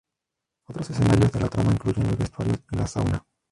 Otros escenarios de la trama incluyen los vestuarios y la sauna.